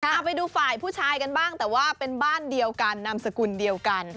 เอาไปดูฝ่ายผู้ชายกันบ้างแต่ว่าเป็นบ้านเดียวกันนามสกุลเดียวกัน